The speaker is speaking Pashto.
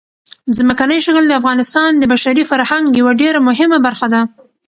ځمکنی شکل د افغانستان د بشري فرهنګ یوه ډېره مهمه برخه ده.